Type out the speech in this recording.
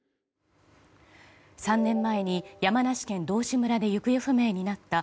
３年前に山梨県道志村で行方不明になった